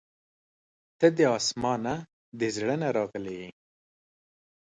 • ته د اسمان نه، د زړه نه راغلې یې.